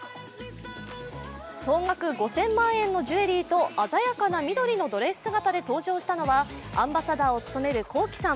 総額５０００万円のジュエリーと鮮やかな緑のドレス姿で登場したのはアンバサダーを務めるＫｏｋｉ，さん。